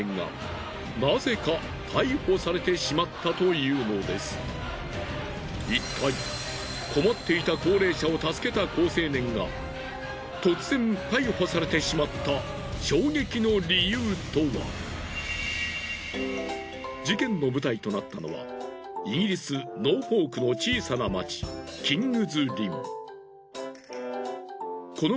いったい困っていた事件の舞台となったのはイギリスノーフォークの小さな町キングズ・リン。